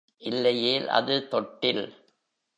இல்லையேல் அது தொட்டில்.